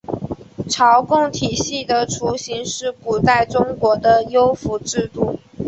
朝贡体系的雏形是古代中国的畿服制度。